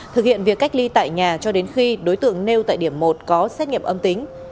thực hiện việc cách ly tại nhà cho đến khi đối tượng nêu tại điểm một có xét nghiệm âm tính